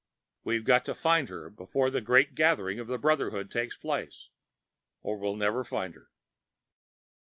We've got to find her before the great gathering of the Brotherhood takes place, or we'll never find her."